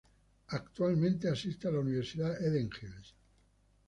Actualmente asiste a la Universidad Eden Hills.